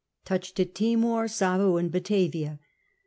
Touched at Timor, Savu, and Batavia.